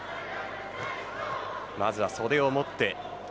まずは袖を持って。